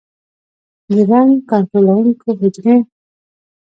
د رنګ کنټرولونکو حجرې